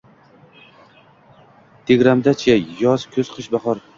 Tegramda-chi: yoz, kuz, qish, bahor…